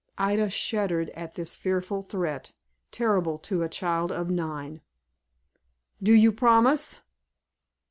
Ida shuddered at this fearful threat, terrible to a child of nine. "Do you promise?"